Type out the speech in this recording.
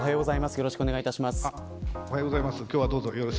よろしくお願いします。